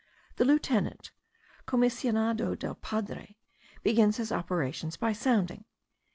The lieutenant (commissionado del Padre) begins his operations by sounding.